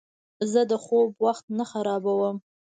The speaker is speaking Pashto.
زه د خوب وخت نه خرابوم.